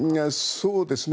そうですね。